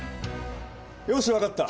よし分かった！